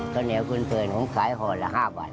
ข้าวเหนียวกลุ่นเผินผมขายห่อนละ๕วัน